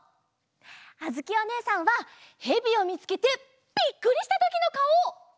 あづきおねえさんはヘビをみつけてびっくりしたときのかお！